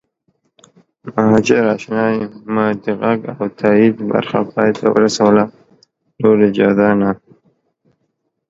مهاجراشنا یم ما د غږ او تایید برخه پای ته ورسوله نور اجازه نه